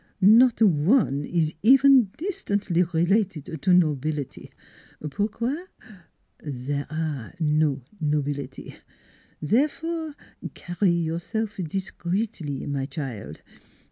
Not one is even distantly related to a nobility. Pourquoif There are no nobility. Therefore carry yourself discreetly, my child.